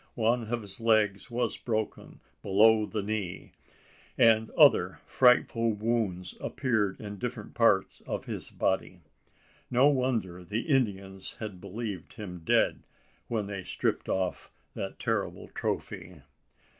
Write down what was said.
One of his legs was broken below the knee; and other frightful wounds appeared in different parts of his body. No wonder the Indians had believed him dead, when they stripped off that terrible trophy!